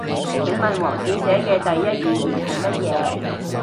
請問王小姐嘅第一語言係乜嘢？